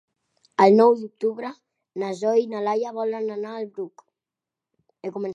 El nou d'octubre na Zoè i na Laia volen anar al Bruc.